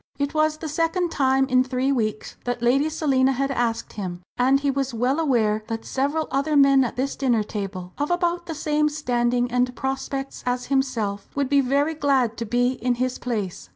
It was the second time in three weeks that Lady Selina had asked him, and he was well aware that several other men at this dinner table, of about the same standing and prospects as himself, would be very glad to be in his place.